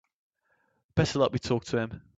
Better let me talk to him.